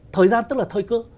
thời gian tức là thời cơ